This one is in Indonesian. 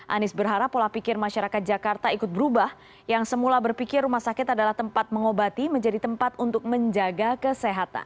anies berharap pola pikir masyarakat jakarta ikut berubah yang semula berpikir rumah sakit adalah tempat mengobati menjadi tempat untuk menjaga kesehatan